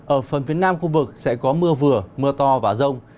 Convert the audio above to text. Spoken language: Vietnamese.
ở phần phía nam khu vực sẽ có mưa vừa mưa to và rông